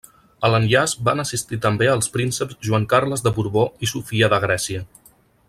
A l'enllaç van assistir també els prínceps Joan Carles de Borbó i Sofia de Grècia.